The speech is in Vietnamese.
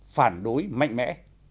phản đối mạnh mẽ